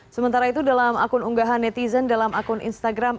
sementara itu dalam akun unggahan netizen dalam akun instagram